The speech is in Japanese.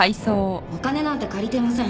お金なんて借りてません。